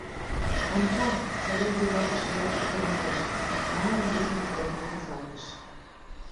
«Ончал, садет вуйлатыше йыр пӱтырнылеш», — манын, вуйжым Корольлан рӱзалтыш.